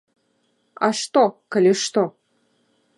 А што, калі што?